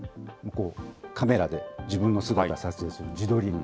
カメラで自分の姿を撮影する自撮り。